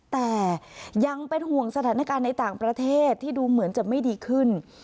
แต่ยังเป็นห่วงสถานการณ์ในต่างประเทศที่ดูเหมือนจะไม่ดีขึ้น